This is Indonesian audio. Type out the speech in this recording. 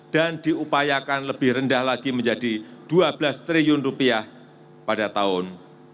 dan diupayakan lebih rendah lagi menjadi dua belas triliun rupiah pada tahun dua ribu dua puluh